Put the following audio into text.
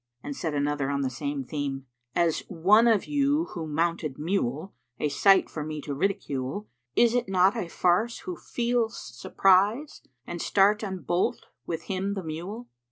And saith another on the same theme, 'As one of you who mounted mule, * A sight for me to ridicule: Is 't not a farce? Who feels surprise * An start and bolt with him the mule?'